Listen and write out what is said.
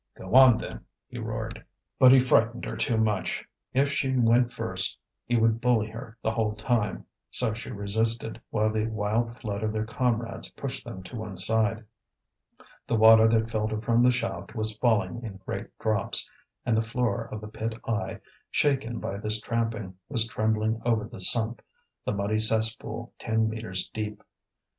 "Go on, then!" he roared. But he frightened her too much. If she went first he would bully her the whole time. So she resisted, while the wild flood of their comrades pushed them to one side. The water that filtered from the shaft was falling in great drops, and the floor of the pit eye, shaken by this tramping, was trembling over the sump, the muddy cesspool ten metres deep.